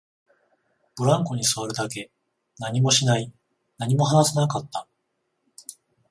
ブランコに座るだけ、何もしない、何も話さなかった